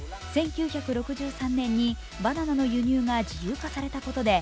１９６３年にバナナの輸入が自由化されたことで